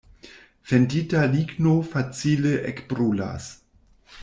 Fendita ligno facile ekbrulas.